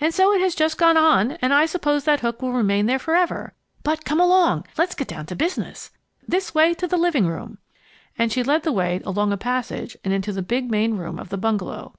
And so it has just gone on, and I suppose that hook will remain there forever! But come along! Let's get down to business. This way to the living room!" and she led the way along a passage and into the big main room of the bungalow.